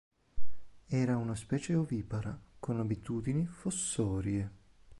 Era una specie ovipara, con abitudini fossorie.